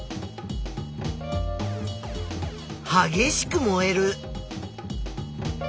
はげしく燃える。